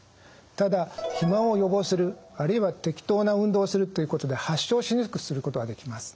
ただ肥満を予防するあるいは適当な運動をするということで発症しにくくすることはできます。